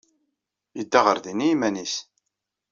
Yedda ɣer din i yiman-nnes.